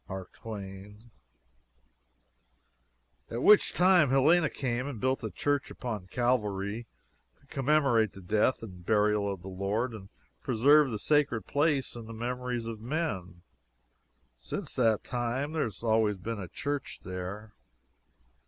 M. T.] at which time Helena came and built a church upon Calvary to commemorate the death and burial of the Lord and preserve the sacred place in the memories of men; since that time there has always been a church there.